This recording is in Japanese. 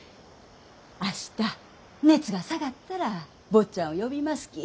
明日熱が下がったら坊ちゃんを呼びますき。